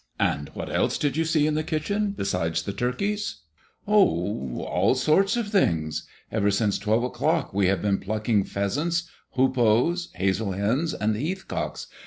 And what else did you see in the kitchen besides the turkeys?" "Oh, all sorts of good things. Ever since twelve o'clock we have been plucking pheasants, hoopoes, hazel hens, and heath cocks.